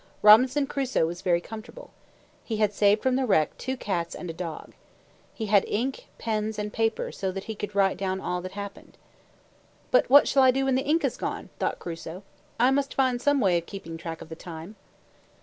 Robinson Crusoe was very comfortable. He had saved from the wreck two cats and a dog. He had ink, pens, and paper, so that he could write down all that happened. "But what shall I do when the ink is gone?" thought Crusoe. "I must find some way of keeping track of the time."